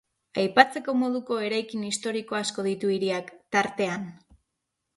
Aipatzeko moduko eraikin historiko asko ditu hiriak, tartean.